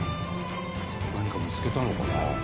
何か見つけたのかな？